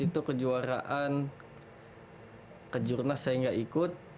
itu kejuaraan kejurnas saya nggak ikut